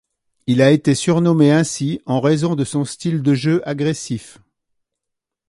Il a été surnommé ainsi en raison de son style de jeu agressif.